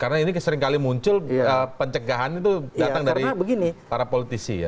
karena ini sering kali muncul pencegahan itu datang dari para politisi ya